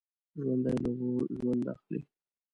ژوندي له اوبو ژوند اخلي